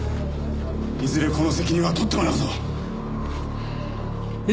いずれこの責任は取ってもらうぞ！